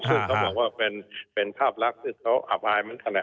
ซึ่งเขาบอกว่าเป็นภาพลักษณ์ที่เขาอับอายเหมือนกันแหละ